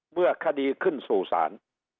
เมื่อคดีขึ้นสู่ศาล